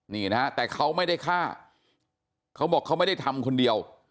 นี่นะฮะแต่เขาไม่ได้ฆ่าเขาบอกเขาไม่ได้ทำคนเดียว